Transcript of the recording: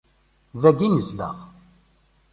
Dagi i nezdeɣ.